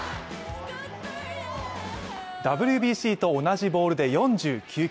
ＷＢＣと同じボールで４９球。